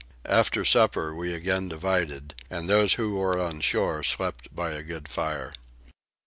After supper we again divided and those who were on shore slept by a good fire.